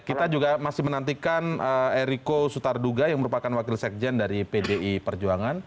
kita juga masih menantikan eriko sutarduga yang merupakan wakil sekjen dari pdi perjuangan